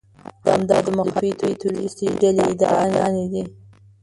همدا د مخالفې تروريستي ډلې ادعاګانې دي.